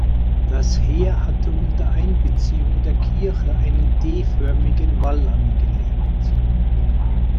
Das Heer hatte unter Einbeziehung der Kirche einen D-förmigen Wall angelegt.